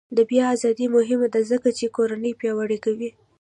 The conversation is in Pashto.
د بیان ازادي مهمه ده ځکه چې کورنۍ پیاوړې کوي.